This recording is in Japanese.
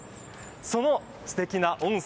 そのすてきな温泉